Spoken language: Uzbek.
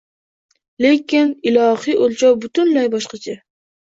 Lekin ilohiy o‘lchov butunlay boshqacha.